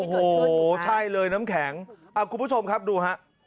โอ้โหใช่เลยน้ำแข็งคุณผู้ชมครับดูฮะ